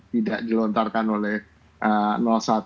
tidak dilontarkan oleh nolsa